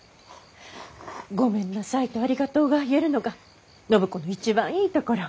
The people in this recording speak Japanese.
「ごめんなさい」と「ありがとう」が言えるのが暢子の一番いいところ。